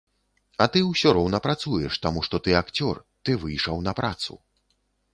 А ты ўсё роўна працуеш, таму што ты акцёр, ты выйшаў на працу.